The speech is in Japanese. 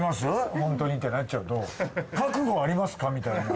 ホントにってなっちゃうと覚悟ありますかみたいな。